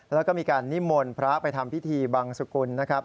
แล้วก็มีการนิมนต์พระไปทำพิธีบังสุกุลนะครับ